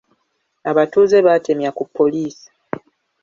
Abatuuze baatemya ku poliisi.